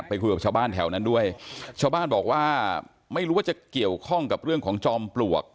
คุยกับชาวบ้านแถวนั้นด้วยชาวบ้านบอกว่าไม่รู้ว่าจะเกี่ยวข้องกับเรื่องของจอมปลวก